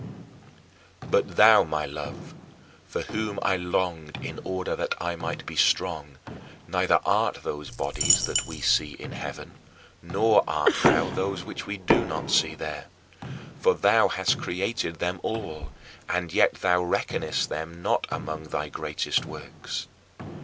But thou, my Love, for whom I longed in order that I might be strong, neither art those bodies that we see in heaven nor art thou those which we do not see there, for thou hast created them all and yet thou reckonest them not among thy greatest works.